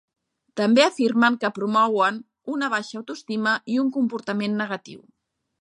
També afirmen que promouen una baixa autoestima i un comportament negatiu.